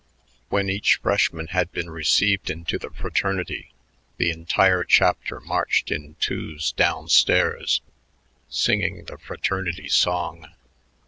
When each freshman had been received into the fraternity, the entire chapter marched in twos down stairs, singing the fraternity song.